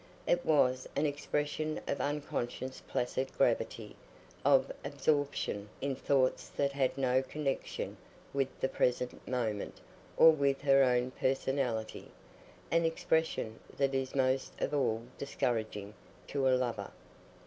It was an expression of unconscious placid gravity—of absorption in thoughts that had no connection with the present moment or with her own personality—an expression that is most of all discouraging to a lover.